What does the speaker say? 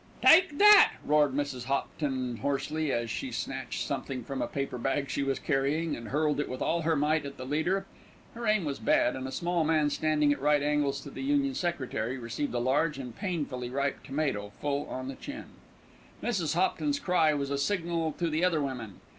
"Take that!" roared Mrs. Hopton hoarsely, as she snatched something from a paper bag she was carrying, and hurled it with all her might at the leader. Her aim was bad, and a small man, standing at right angles to the Union secretary, received a large and painfully ripe tomato full on the chin. Mrs. Hopton's cry was a signal to the other women.